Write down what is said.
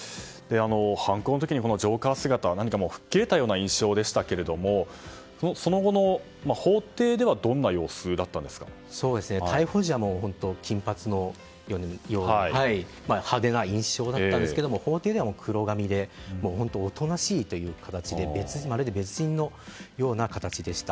犯行の時にジョーカー姿何か吹っ切れたような印象でしたがその後、法廷では逮捕時は、本当に金髪のようで派手な印象だったんですけど法廷では黒髪で本当におとなしいという形でまるで別人のような形でした。